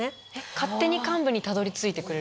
勝手にたどり着いてくれる？